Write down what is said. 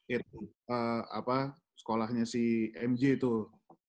itu apa sekolahnya si mj itu